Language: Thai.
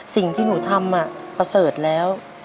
สิ่งที่หนูทำประเสริฐแล้ว